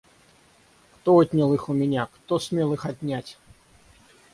Кто отнял их у меня, кто смел их отнять!